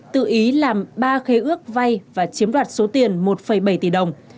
tự ý làm ba khế ước vay và chiếm đoạt số tiền một bảy tỷ đồng